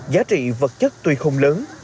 giá trị vật chất tuy không lớn